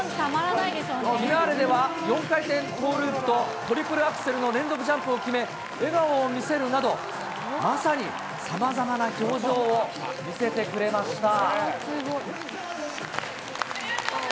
フィナーレでは、４回転トーループとトリプルアクセルの連続ジャンプを決め、笑顔を見せるなど、まさにさまざまな表情を見せてくれました。